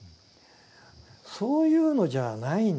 そういうのじゃないんですと。